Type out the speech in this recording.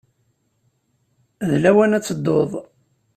D lawan ad tedduḍ.